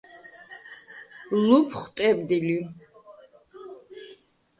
ლუფხუ̂ ტებდი ლი.